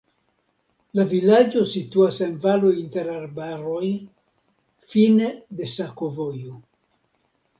La vilaĝo situas en valo inter arbaroj, fine de sakovojo.